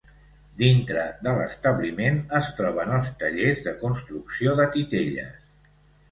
Dintre de l'establiment es troben els tallers de construcció de titelles.